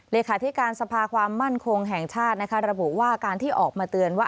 เลขาธิการสภาความมั่นคงแห่งชาตินะคะระบุว่าการที่ออกมาเตือนว่า